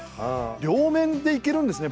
両面でいけるんですね。